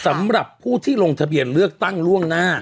สำหรับผู้ที่ลงทะเบียนเลือกตั้งล่วงหน้า